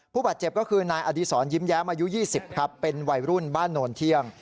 ผู้บาดเจ็บก็คือนายอดีศรยิ้มแย้มอายุ๒๐ครับเป็นวัยรุ่นบ้านโนนเที่ยง